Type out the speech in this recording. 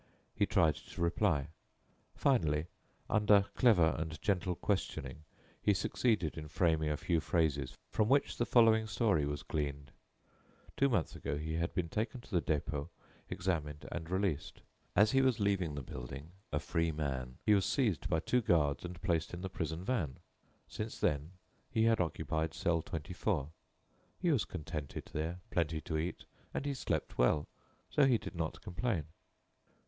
He tried to reply. Finally, under clever and gentle questioning, he succeeded in framing a few phrases from which the following story was gleaned: Two months ago he had been taken to the Dépôt, examined and released. As he was leaving the building, a free man, he was seized by two guards and placed in the prison van. Since then he had occupied cell 24. He was contented there, plenty to eat, and he slept well so he did not complain.